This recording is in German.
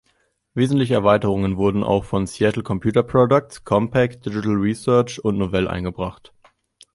Wesentliche Erweiterungen wurden auch von Seattle Computer Products, Compaq, Digital Research und Novell eingebracht.